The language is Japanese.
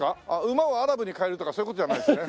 馬をアラブに替えるとかそういう事じゃないですよね。